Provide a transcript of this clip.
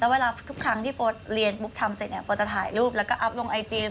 เวลาทุกครั้งที่โฟสเรียนปุ๊บทำเสร็จเนี่ยโฟสจะถ่ายรูปแล้วก็อัพลงไอจี